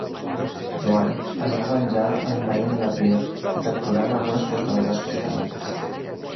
Joan es va venjar envaint l'Epir i capturant algunes fortaleses costaneres.